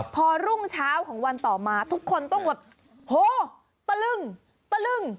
พอรุ่งเช้าของวันต่อมาทุกคนต้องแบบ